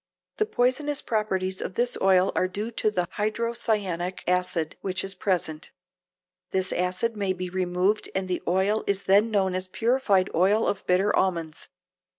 The poisonous properties of this oil are due to the hydrocyanic acid which is present. This acid may be removed and the oil is then known as purified oil of bitter almonds.